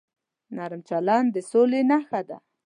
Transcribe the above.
نرم چلند د سولې نښه ده.